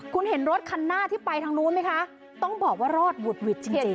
คุณเห็นรถคันหน้าที่ไปทางนู้นไหมคะต้องบอกว่ารอดหวุดหวิดจริง